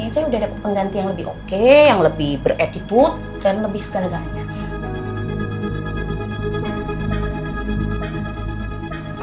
saya udah dapet pengganti yang lebih oke yang lebih berattitude dan lebih segala galanya